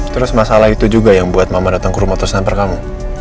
terus masalah itu juga yang buat mama dateng ke rumah terus nabar kamu